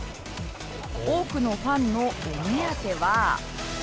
多くのファンのお目当ては。